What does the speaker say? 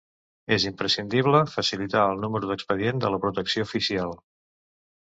És imprescindible facilitar el número d'expedient de la protecció oficial.